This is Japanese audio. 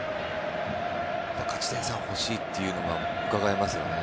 勝ち点３が欲しいというのがうかがえますよね